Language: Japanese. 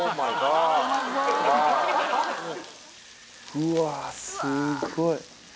うわすっごい